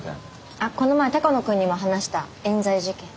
あっこの前鷹野君にも話したえん罪事件。